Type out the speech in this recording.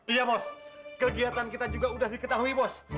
iya bos kegiatan kita juga sudah diketahui bos